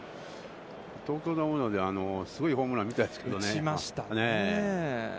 東京のほうで、すごいホームラン見たんですけどね。